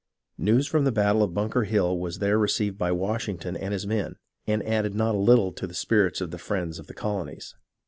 News of the battle of Bunker Hill was there received by Washington and his men, and added not a little to the spirits of the friends of the colonies.